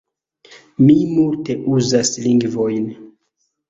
Mi multe uzas lingvojn.